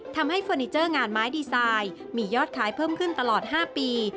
เฟอร์นิเจอร์งานไม้ดีไซน์มียอดขายเพิ่มขึ้นตลอด๕ปี